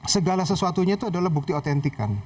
segala sesuatunya itu adalah bukti otentik kan